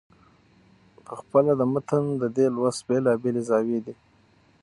پخپله د متن د دې لوست بېلابېلې زاويې دي.